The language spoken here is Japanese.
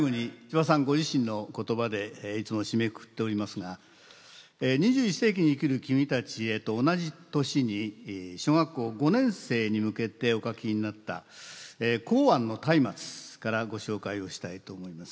ご自身の言葉でいつも締めくくっておりますが「二十一世紀に生きる君たちへ」と同じ年に小学校５年生に向けてお書きになった「洪庵のたいまつ」からご紹介をしたいと思います。